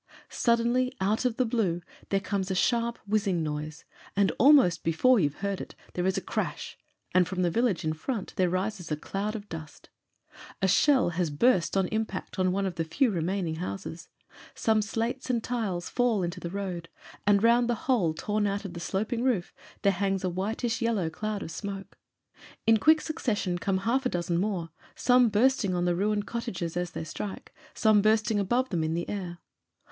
Suddenly, out of the blue there comes a sharp, whizzing noise, and almost before you've heard it there is a crash, and from the village in front there rises a cloud of dust. A shell has burst on impact on one of the few remaining houses ; some slates and tiles fall into the road, and round the hole torn out of the slop ing roof there hangs a whitish yellow cloud of smoke. In quick succession come half a dozen more, some bursting on the ruined cottages as they strike, some bursting above them in the air.